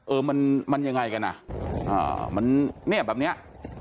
เอ้อมันยังไงกันอ่ะมันนี่แบบเนี่ย